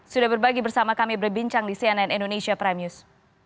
sudah berbagi bersama kami berbincang di cnn indonesia prime news